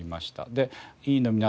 で委員の皆さん